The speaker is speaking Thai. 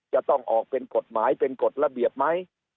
จะต้องออกเป็นกฎหมายเป็นกฎระเบียบไหม